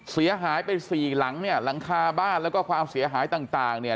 เสียหายไปสี่หลังเนี่ยหลังคาบ้านแล้วก็ความเสียหายต่างต่างเนี่ย